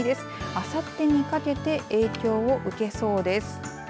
あさってにかけて影響を受けそうです。